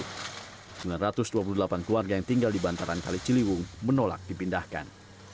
sembilan ratus dua puluh delapan keluarga yang tinggal di bantaran kali ciliwung menolak dipindahkan